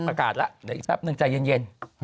ประกาศแล้วเดี๋ยวอีกแป๊บนึงใจเย็น